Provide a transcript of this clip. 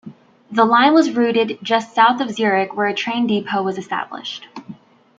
The line was routed just south of Zurich where a train depot was established.